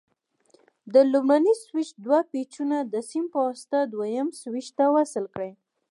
د لومړني سویچ دوه پېچونه د سیم په واسطه دویم سویچ ته وصل کړئ.